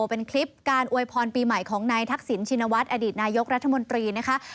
เป็นคลิปการอวยพรปีใหม่ของนายทักษิณชินวัฒน์อดีตนายกรัฐมนตรีนะคะ